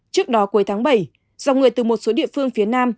trước đó cuối tháng bảy dòng người từ một số địa phương phía nam